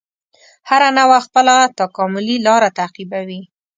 هره نوعه خپله تکاملي لاره تعقیبوي.